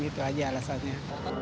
itu aja alasannya